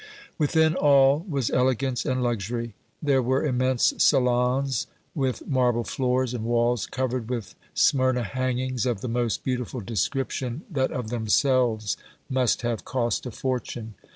Within all was elegance and luxury. There were immense salons, with marble floors, and walls covered with Smyrna hangings of the most beautiful description that of themselves must have cost a fortune.